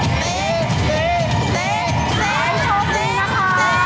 ดำแหน่งที่๓มา